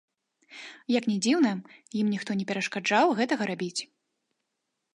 Як ні дзіўна, ім ніхто не перашкаджаў гэтага рабіць.